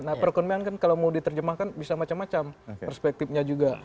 nah perekonomian kan kalau mau diterjemahkan bisa macam macam perspektifnya juga